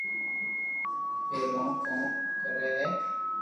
ايتي رڙ ڪون ڪري ھي